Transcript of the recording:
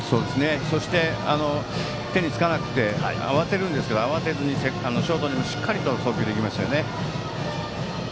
そして、手につかなくて慌てるんですけど慌てずにショートにしっかりと送球できましたね。